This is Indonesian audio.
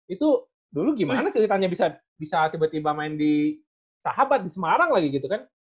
itu dulu gimana ceritanya bisa tiba tiba main di sahabat di semarang lagi gitu kan